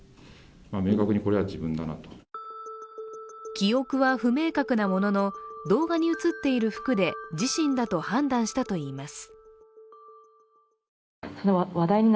記憶は不明確なものの動画に映っている服で自身だと判断したといいます。